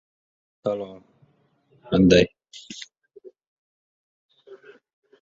Shoxlar qalin, xuddi narvondek bir-biriga yaqin turardi.